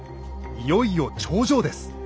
いよいよ頂上です。